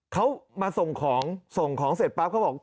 เขามาส่งของเสร็จปั๊บเขาบอก